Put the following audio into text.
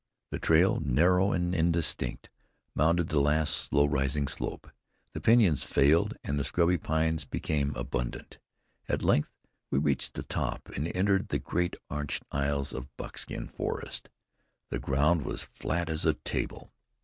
The trail, narrow and indistinct, mounted the last slow rising slope; the pinyons failed, and the scrubby pines became abundant. At length we reached the top, and entered the great arched aisles of Buckskin Forest. The ground was flat as a table.